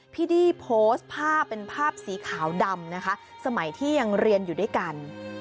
ดี้โพสต์ภาพเป็นภาพสีขาวดำนะคะสมัยที่ยังเรียนอยู่ด้วยกัน